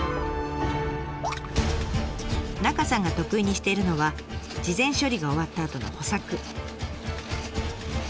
中さんが得意にしているのは事前処理が終わったあとの補作。